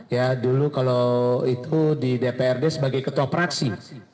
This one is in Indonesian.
ya dulu kalau itu di dprd sebagai ketua praksi